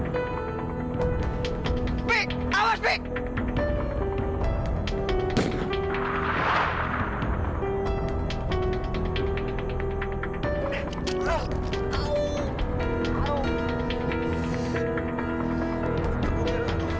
tunggu tunggu tunggu